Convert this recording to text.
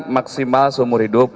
maksimal seumur hidup